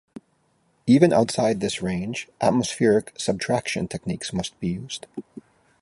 Even outside this range, atmospheric subtraction techniques must be used.